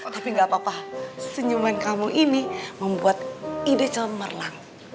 tapi gak apa apa senyuman kamu ini membuat ide cemerlang